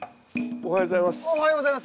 おはようございます先生。